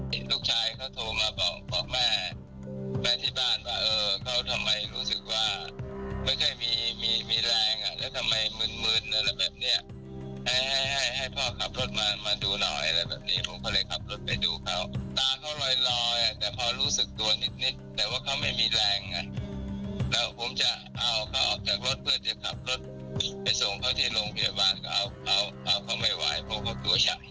พ่อออกกำลังกายเสร็จก็มาหยิบน้ำไปดื่มจนหมดขวด